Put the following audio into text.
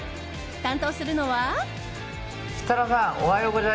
担当するのは。